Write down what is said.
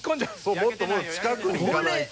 そうもっと近くに行かないと。